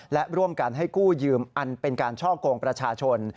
และร่วมกันให้กู้ยืมอันเป็นการช่อกงประชาชน